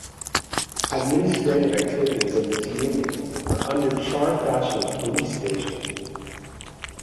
Administrative activities of this union are under Char Fashion Police Station.